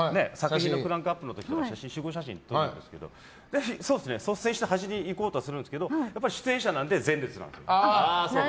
大体、クランクアップの時とか集合写真撮るんですけど率先して端に行こうとはするんですけど出演者なので前列。